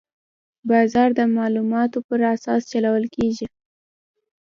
بازار د معلوماتو پر اساس چلول کېږي.